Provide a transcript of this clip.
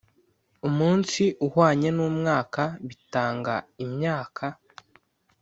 umunsi uhwanye n umwaka bitanga imyaka